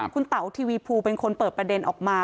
คุณเต๋าทีวีภูเป็นคนเปิดประเด็นออกมา